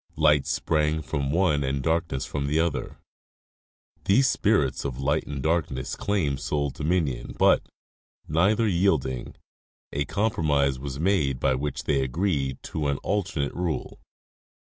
Light sprang from one and darkness from the other ; these spirits of light and darkness claimed sole dominion, but, neither yielding, a compromise was made by which they agreed to an alternate tule.